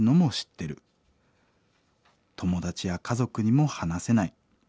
友達や家族にも話せない。